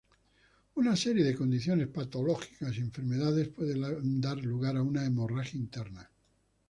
Una serie de condiciones patológicas y enfermedades puede dar lugar a una hemorragia interna.